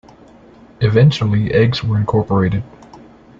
Eventually eggs were incorporated.